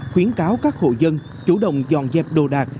khuyến cáo các hộ dân chủ động dọn dẹp đồ đạc